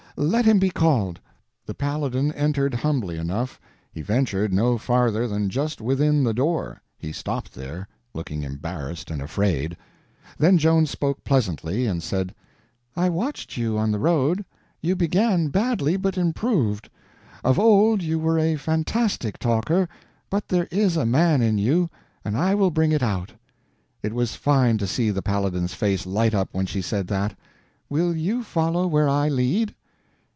Let him be called." The Paladin entered humbly enough. He ventured no farther than just within the door. He stopped there, looking embarrassed and afraid. Then Joan spoke pleasantly, and said: "I watched you on the road. You began badly, but improved. Of old you were a fantastic talker, but there is a man in you, and I will bring it out." It was fine to see the Paladin's face light up when she said that. "Will you follow where I lead?"